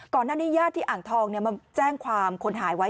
ก่อนหน้านี้ญาติที่อ่างทองมาแจ้งความคนหายไว้